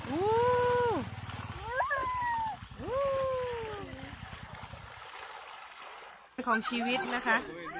เป็นของชีวิตนะคะ